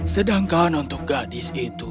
sedangkan untuk gadis itu